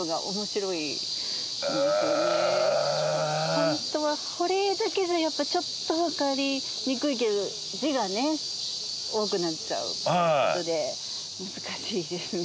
ホントは保冷だけじゃやっぱちょっとわかりにくいけど字がね多くなっちゃうっていう事で。